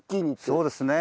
そうですね。